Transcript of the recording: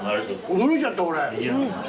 驚いちゃった俺。